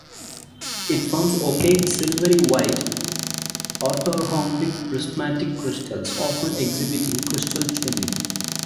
It forms opaque silvery white orthorhombic prismatic crystals often exhibiting crystal twinning.